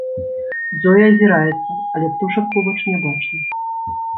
Зоя азіраецца, але птушак побач не бачна.